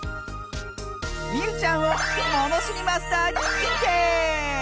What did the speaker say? みうちゃんをものしりマスターににんてい！